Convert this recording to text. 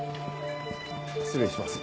失礼します。